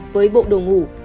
với bộ đồ ngủ